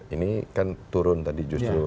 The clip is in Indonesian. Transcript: ini kan turun tadi justru